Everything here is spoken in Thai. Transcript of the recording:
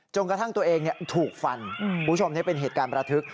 กระทั่งตัวเองถูกฟันคุณผู้ชมนี่เป็นเหตุการณ์ประทึก